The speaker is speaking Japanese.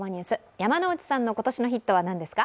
山内さんの今年のヒットは何ですか？